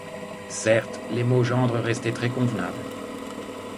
Certes, les Maugendre restaient très convenables.